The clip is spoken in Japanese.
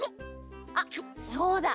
あっそうだ！